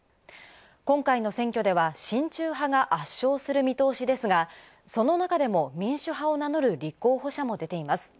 今回の選挙では親中派が圧勝する見通しですが、その中でも民主派を名乗る立候補者も出ています。